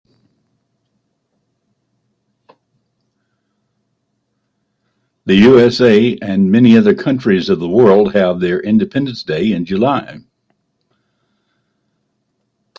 The USA and many other countries of the world have their independence day in July.